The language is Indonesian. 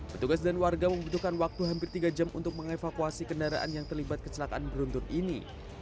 petugas dan warga membutuhkan waktu hampir tiga jam untuk mengevakuasi kendaraan yang terlibat kecelakaan beruntun ini